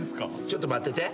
ちょっと待ってて。